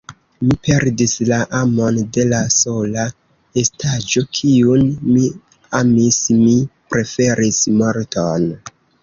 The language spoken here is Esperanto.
Mi perdis la amon de la sola estaĵo, kiun mi amis; mi preferis morton.